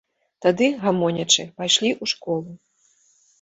Тады, гамонячы, пайшлі ў школу.